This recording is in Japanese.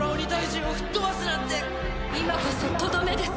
今こそとどめです。